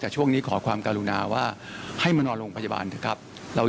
พวกนี้ขอความกรุณาว่าหยุดมารอลงโรงพยาบาล